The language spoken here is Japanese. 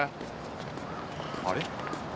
あれ？